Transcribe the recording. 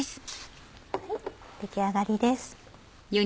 出来上がりです。